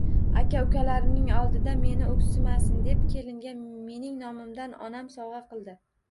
Aka-ukalarimning oldida meni o`ksimasin deb, kelinga mening nomimdan onam sovg`a qildi